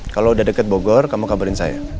kalo udah deket bogor kamu kabarin saya